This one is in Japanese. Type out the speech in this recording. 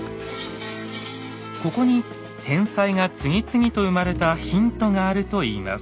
ここに天才が次々と生まれたヒントがあるといいます。